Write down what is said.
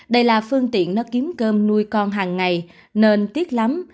đây là phương tiện nó kiếm cơm nuôi con hàng ngày nên tiếc lắm